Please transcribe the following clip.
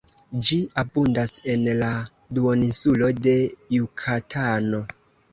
Ĝi abundas en la duoninsulo de Jukatano.